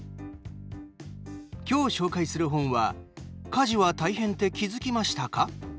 今日、紹介する本は「家事は大変って気づきましたか？」。